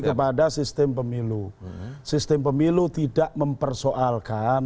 kepada sistem pemilu sistem pemilu tidak mempersoalkan